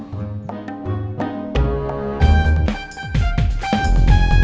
belum bisa bang